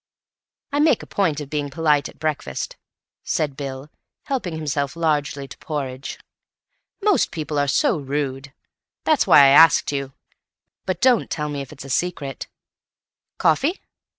"I make a point of being polite at breakfast," said Bill, helping himself largely to porridge. "Most people are so rude. That's why I asked you. But don't tell me if it's a secret. Coffee?"